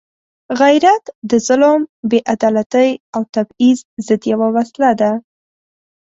غیرت د ظلم، بېعدالتۍ او تبعیض ضد یوه وسله ده.